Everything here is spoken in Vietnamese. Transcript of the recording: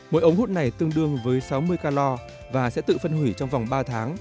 mỗi ống hút này tương đương với sáu mươi klor và sẽ tự phân hủy trong vòng ba tháng